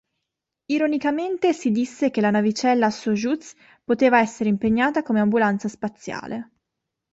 Ironicamente si disse che la navicella Sojuz poteva essere impegnata come ambulanza spaziale.